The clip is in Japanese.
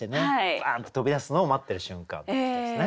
バンッと飛び出すのを待ってる瞬間ということですね。